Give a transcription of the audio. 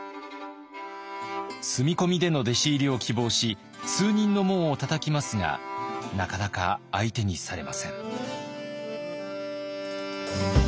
住み込みでの弟子入りを希望し数人の門をたたきますがなかなか相手にされません。